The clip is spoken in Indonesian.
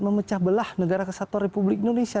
memecah belah negara kesatuan republik indonesia